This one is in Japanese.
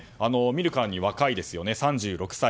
見るからに若いです、３６歳。